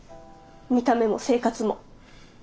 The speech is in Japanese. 見た目も生活も。